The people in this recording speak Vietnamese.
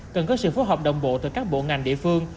cần có sự phối hợp đồng bộ từ các bộ ngành địa phương